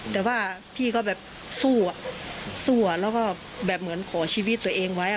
แต่ว่าพี่ก็แบบสู้อ่ะสู้แล้วก็แบบเหมือนขอชีวิตตัวเองไว้